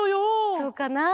そうかな？